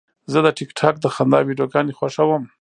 زه د ټک ټاک د خندا ویډیوګانې خوښوم.